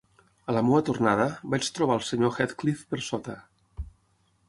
A la meva tornada, vaig trobar eI Sr. Heathcliff per sota.